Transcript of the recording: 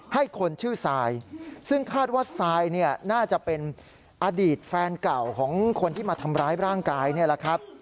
ให้คนชื่อซายซึ่งคาดว่าซายเนี่ยน่าจะเป็นอดีตแฟนเก่าของคนที่มาทำร้ายร่างกายนี่แหละครับ